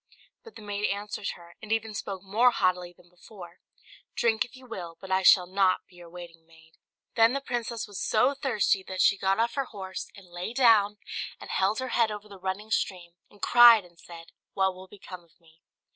But the maid answered her, and even spoke more haughtily than before, "Drink, if you will, but I shall not be your waiting maid." Then the princess was so thirsty that she got off her horse and lay down, and held her head over the running stream, and cried, and said, "What will become of me?"